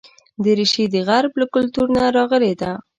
دریشي د غرب له کلتور نه راغلې ده.